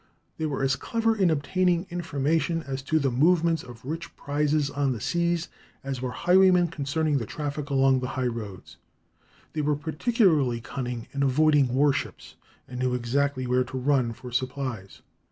They were as clever in obtaining information as to the movements of rich prizes on the seas as were highwaymen concerning the traffic along the highroads. They were particularly cunning in avoiding war ships, and knew exactly where to run for supplies.